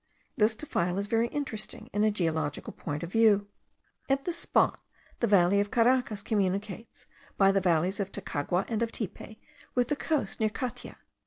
This defile is very interesting in a geological point of view. At this spot the valley of Caracas communicates, by the valleys of Tacagua and of Tipe, with the coast near Catia.